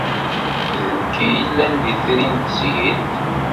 D nekk ay yellan d itri n tesgilt.